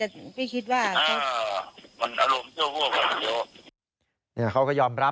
แต่สาเหตุแค่นี้พี่จะฆ่ากันเลยเธอจะทำร้ายเลยจนพี่คิดว่า